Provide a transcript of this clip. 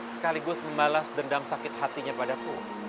sekaligus membalas dendam sakit hatinya padaku